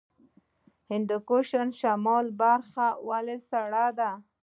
د هندوکش شمالي برخه ولې سړه ده؟